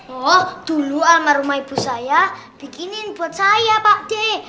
oh dulu almarhumah ibu saya bikinin buat saya pak d